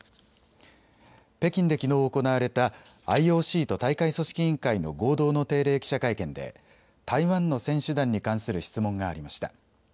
北京できのう行われたＩＯＣと大会組織委員会の合同の定例記者会見で、台湾の選手団に関する質問がありました。